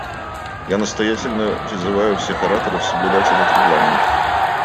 Я настоятельно призываю всех ораторов соблюдать этот регламент.